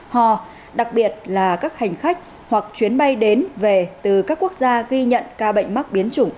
hò đặc biệt là các hành khách hoặc chuyến bay đến về từ các quốc gia ghi nhận ca bệnh mắc biến chủng